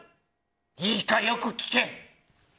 いいか、よく聞け。